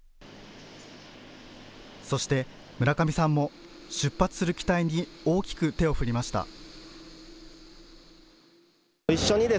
そして村上さんも出発する機体に大きく手を振りました。